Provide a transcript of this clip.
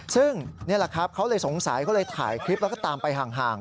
ซึ่งนี่แหละครับเขาเลยสงสัยเขาเลยถ่ายคลิปแล้วก็ตามไปห่าง